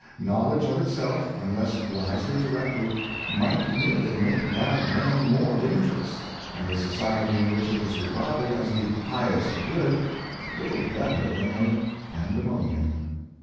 Knowledge of itself, unless wisely directed, might merely make bad men more dangerous, and the society in which it was regarded as the highest good, little better than a pandemonium.